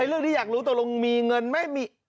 เรื่องที่อยากรู้ตกลงมีเงินไหม